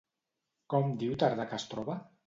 Com diu Tardà que es troba?